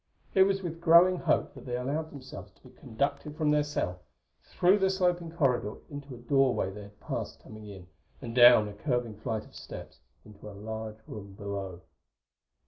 It was with growing hope that they allowed themselves to be conducted from their cell, through the sloping corridor into a doorway they had passed coming in, and down a curving flight of steps into a large room below.